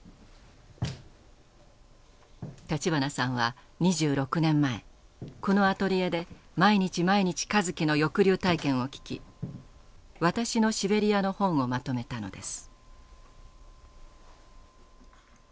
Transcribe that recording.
立花さんは２６年前このアトリエで毎日毎日香月の抑留体験を聞き「私のシベリヤ」の本をまとめたのです。